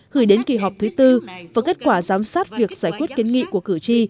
gửi đến kỳ họp thứ tư và kết quả giám sát việc giải quyết kiến nghị của cử tri